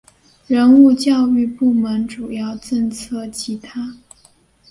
人物教育部门主要政策其他